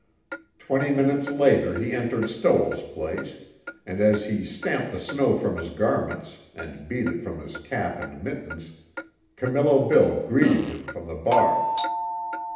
Twenty minutes later he entered Stoell's place, and as he stamped the snow from his garments, and beat it from his cap and mittens, Camillo Bill greeted him from the bar.